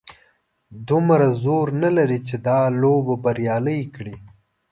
دومره زور نه لري چې دا لوبه بریالۍ کړي.